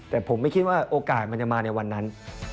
แต่ผมไม่คิดว่าโอกาสมันจะมาในวันนั้น